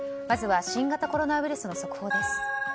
まずは新型コロナウイルスの速報です。